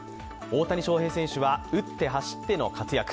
大谷翔平選手は打って走っての活躍。